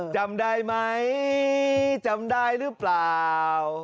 จำได้ไหมจำได้หรือเปล่า